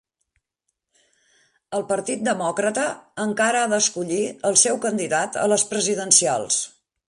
El Partit Demòcrata encara ha d'escollir el seu candidat a les presidencials